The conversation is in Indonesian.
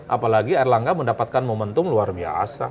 apalagi erlangga mendapatkan momentum luar biasa